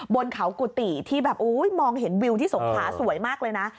บนเขากุฏิที่แบบมองเห็นวิวที่สงขาสวยมากเลยนะ